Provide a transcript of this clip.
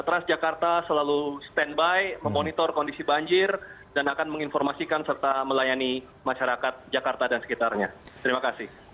transjakarta selalu standby memonitor kondisi banjir dan akan menginformasikan serta melayani masyarakat jakarta dan sekitarnya terima kasih